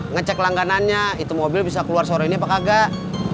ngecek langganannya itu mobil bisa keluar sore ini apakah enggak